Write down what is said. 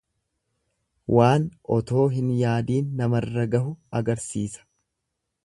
Waan otoo hin yaadiin namarra gahu agarsisa.